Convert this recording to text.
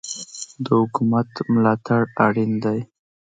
د حکومت ملاتړ اړین دی.